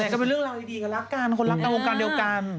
จะเป็นเรื่องราวดีกับรักการคนรักกับวงการเดียวกัน